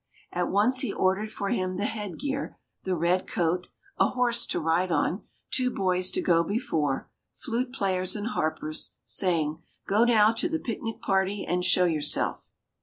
At once he ordered for him the head gear, the red coat, a horse to ride on, two boys to go before, flute players and harpers, saying, "Go now to the picnic party and show yourself."